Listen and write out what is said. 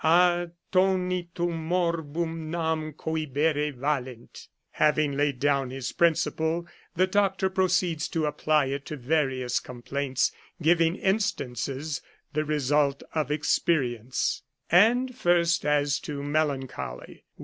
Attonitum morbum nam cohibere valent Having laid down his principle, the doctor proceeds to apply it to various complaints, giving instances, the result of experience. I20 '* Flagellum Salutis '' And first as to melancholy.